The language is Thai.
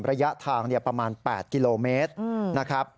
ระยะทางประมาณ๘กิโลเมตรนะครับ